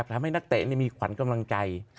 ทำให้นักเตะเนี่ยมีขวัญกำลังใจ